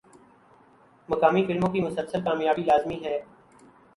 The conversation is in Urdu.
مقامی فلموں کی مسلسل کامیابی لازمی ہے۔